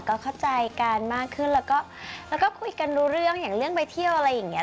ก็เข้าใจกันมากขึ้นแล้วก็คุยกันรู้เรื่องอย่างเรื่องไปเที่ยวอะไรอย่างนี้